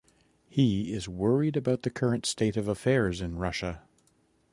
He is worried about the current state of affairs in Russia.